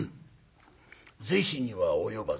是非には及ばず。